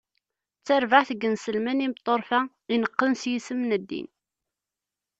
D tarbaɛt n yinselmen imeṭṭurfa, ineqqen s yisem n ddin.